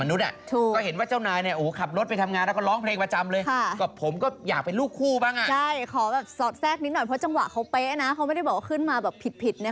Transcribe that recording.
นี่แบบงับได้ตรงจังหวะพอดีเลย